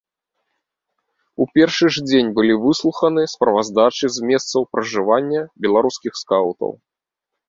У першы ж дзень былі выслуханы справаздачы з месцаў пражывання беларускіх скаўтаў.